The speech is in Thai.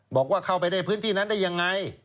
บอกว่าเข้าไปในพื้นที่นั้นได้ยังไง